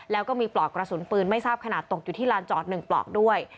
แล้วก็มีปลอกกระสุนปืนไม่ทราบขนาดตกอยู่ที่ลานจอด๑ปลอกด้วย